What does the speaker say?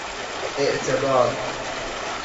اِعتبار